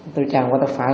tôi chạm qua tay phải